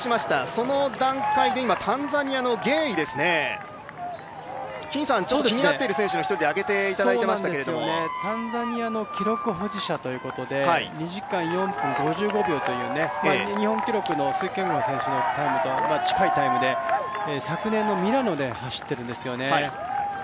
その段階でタンザニアのゲエイ選手ですね、気になっている選手、１人、挙げていただきましたけどもタンザニアの記録保持者ということで２時間４分５５秒という日本記録のタイムと近いタイムで、昨年ミラノで走っているんですよね。